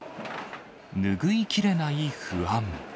拭いきれない不安。